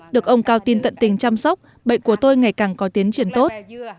được ông cao tin tận tình chăm sóc bệnh của tôi ngày càng có tiến triển tốt